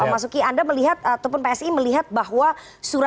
mas uki anda melihat ataupun psi melihat bahwa